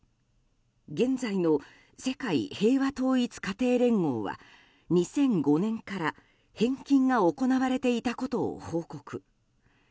現在の世界平和統一家庭連合は２００５年から返金が行われていたことを報告。